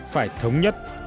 phải thống nhất